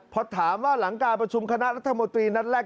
พอถามว่าหลังการประชุมคณะรัฐมนตรีนัดแรก